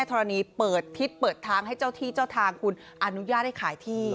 ธรณีเปิดทิศเปิดทางให้เจ้าที่เจ้าทางคุณอนุญาตให้ขายที่